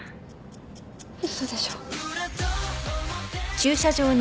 嘘でしょ。